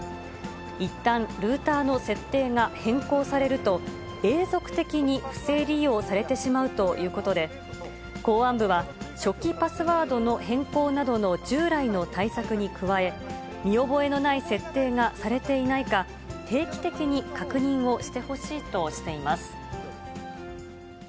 いったんルーターの設定が変更されると、永続的に不正利用されてしまうということで、公安部は、初期パスワードの変更などの従来の対策に加え、見覚えのない設定がされていないか、定期的に確認をしてほしいとしています。